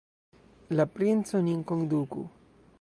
La princo nin konduku!